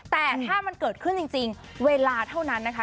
แต่ถ้ามันเกิดขึ้นจริงเวลาเท่านั้นนะคะ